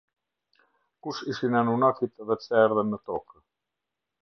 Kush ishin Anunakit dhe pse erdhën në Tokë.